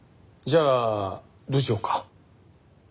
じゃあどうしようか？